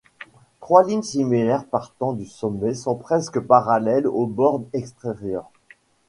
Trois lignes similaires partant du sommet sont presque parallèles au bord extérieur.